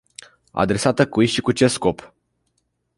Adresată cui și cu ce scop?